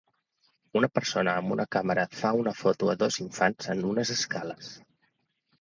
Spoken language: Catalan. Una persona amb una càmera fa una foto a dos infants en unes escales.